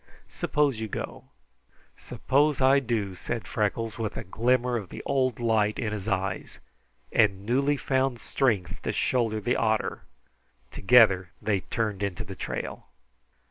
Suppose you go." "Suppose I do," said Freckles, with a glimmer of the old light in his eyes and newly found strength to shoulder the otter. Together they turned into the trail.